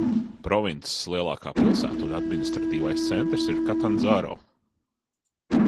Provinces lielākā pilsēta un administratīvais centrs ir Katandzāro.